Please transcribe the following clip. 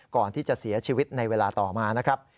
ก่อนที่จะเสียชีวิตในเวลาต่อมานะครับ